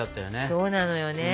そうなのよね。